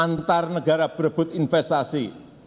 antar negara berebut investasi